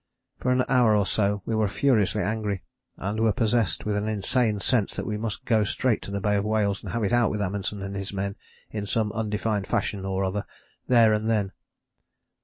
For an hour or so we were furiously angry, and were possessed with an insane sense that we must go straight to the Bay of Whales and have it out with Amundsen and his men in some undefined fashion or other there and then.